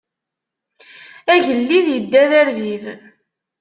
Agellid idda d arbib.